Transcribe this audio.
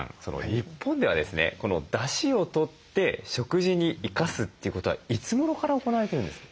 日本ではですねだしをとって食事に生かすということはいつごろから行われてるんですか？